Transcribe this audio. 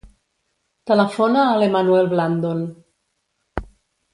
Telefona a l'Emanuel Blandon.